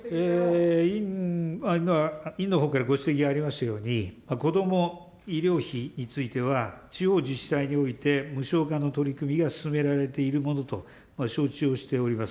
委員のほうからご指摘がありましたように、こども医療費については、地方自治体において、無償化の取り組みが進められているものと承知をしております。